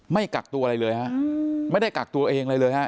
ไม่กักตัวอะไรเลยฮะไม่ได้กักตัวเองอะไรเลยฮะ